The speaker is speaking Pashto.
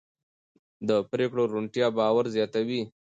د پرېکړو روڼتیا باور زیاتوي